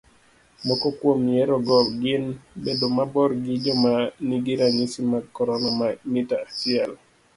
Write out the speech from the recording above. Moko kuom yorego gin, bedo mabor gi joma nigi ranyisi mag corona mita achiel